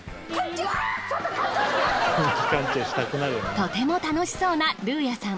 とても楽しそうなルーヤさん。